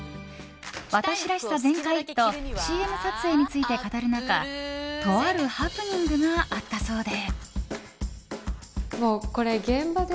私らしさ全開とＣＭ撮影について語る中とあるハプニングがあったそうで。